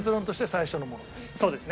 そうですね。